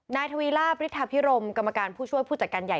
นายทวีลาบฤทธาพิรมกรรมการผู้ช่วยผู้จัดการใหญ่